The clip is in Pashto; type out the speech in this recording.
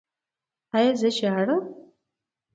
ایا زه ژاړم؟